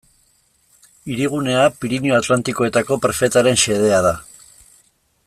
Hirigunea Pirinio Atlantikoetako prefetaren xedea da.